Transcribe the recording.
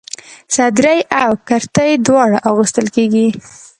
صدرۍ او کرتۍ دواړه اغوستل کيږي.